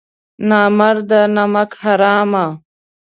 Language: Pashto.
نامرده نمک حرامه!